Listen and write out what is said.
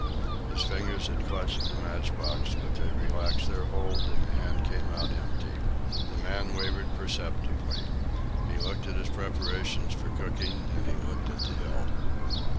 His fingers had clutched the match box, but they relaxed their hold and the hand came out empty. The man wavered perceptibly. He looked at his preparations for cooking and he looked at the hill.